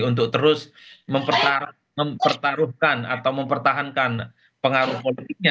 untuk terus mempertaruhkan atau mempertahankan pengaruh politiknya